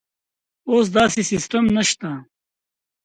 اوس داسې سیستم نشته.